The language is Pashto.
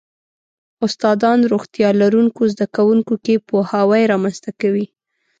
استادان روغتیا لرونکو زده کوونکو کې پوهاوی رامنځته کوي.